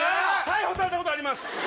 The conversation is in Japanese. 逮捕されたことあります！